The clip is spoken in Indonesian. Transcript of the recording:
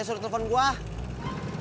ntar kalau ketemu aku mau nyari dia